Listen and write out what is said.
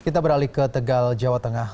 kita beralih ke tegal jawa tengah